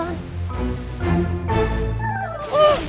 tuh kan disuruh turun